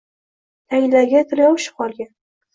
Tanglayiga tili yopishib qolgan